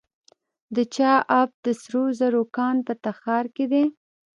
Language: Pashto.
د چاه اب د سرو زرو کان په تخار کې دی.